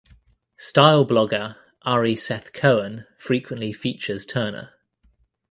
Style blogger Ari Seth Cohen frequently features Turner.